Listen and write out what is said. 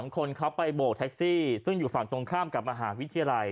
คนเขาไปโบกแท็กซี่ซึ่งอยู่ฝั่งตรงข้ามกับมหาวิทยาลัย